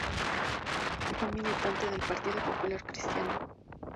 Fue militante del Partido Popular Cristiano.